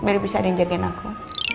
biar bisa ada yang jagain aku